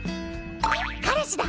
彼氏だ！